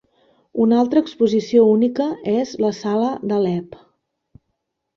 Una altra exposició única és la sala d'Alep.